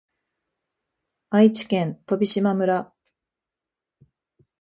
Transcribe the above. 愛知県飛島村